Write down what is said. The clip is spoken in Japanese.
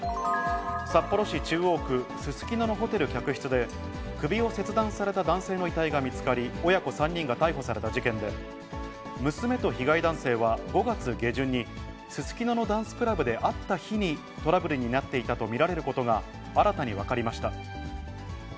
札幌市中央区すすきののホテル客室で、首を切断された男性の遺体が見つかり、親子３人が逮捕された事件で、娘と被害男性は５月下旬に、すすきののダンスクラブで会った日にトラブルになっていたと見られることが、新たに分かりました。